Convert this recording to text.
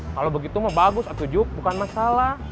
kalau begitu mau bagus aku jujur bukan masalah